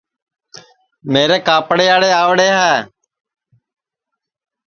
میرے کاپڑیئاڑے آؤرے ہے